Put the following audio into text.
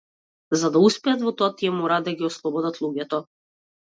За да успеат во тоа тие мораат да ги ослободат луѓето.